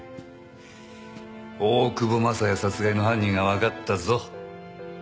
大久保雅也殺害の犯人がわかったぞ。